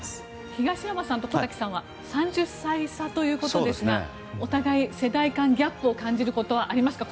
東山さんと小瀧さんは３０歳差ということですがお互い、世代間ギャップを感じることはありますか？